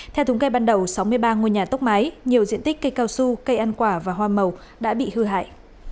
theo thống kê ban đầu sáu mươi ba ngôi nhà tốc mái nhiều diện tích cây cao su cây ăn quả và hoa màu đã bị hư hại